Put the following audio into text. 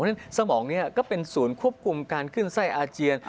เพราะฉะนั้นสมองนี้ก็เป็นศูนย์ควบคุมการขึ้นไส้อาเจียน